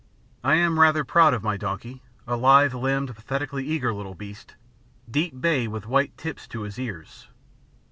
I am rather proud of my donkey, a lithe limbed pathetically eager little beast, deep bay with white tips to his ears.